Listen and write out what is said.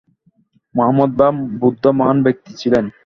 মুহাম্মদ বা বুদ্ধ মহান ব্যক্তি ছিলেন।